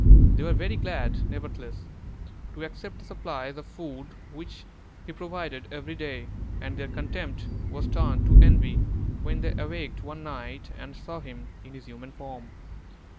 They were very glad, nevertheless, to accept the supplies of food which he provided every day; and their contempt was turned to envy when they awaked one night and saw him in his human form.